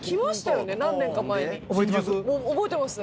覚えてます？